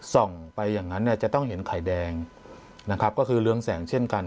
ส่องไปอย่างนั้นเนี่ยจะต้องเห็นไข่แดงนะครับก็คือเรืองแสงเช่นกัน